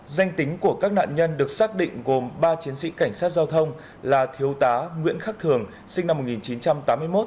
danh tính của các nạn nhân được xác định gồm ba chiến sĩ cảnh sát giao thông là thiếu tá nguyễn khắc thường sinh năm một nghìn chín trăm tám mươi một